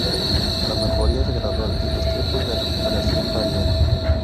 La mejoría es gradual y los tiempos de recuperación varían.